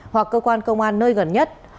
hoặc cơ quan công an nơi gần nhất